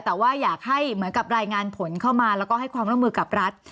แต่ว่าอยากให้เหมือนกับรายงานผลเข้ามาแล้วก็ให้ความร่วมมือกับรัฐ